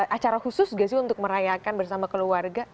acara khusus gak sih untuk merayakan bersama keluarga